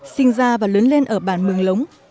sinh ra và lớn lên ở bản mường lống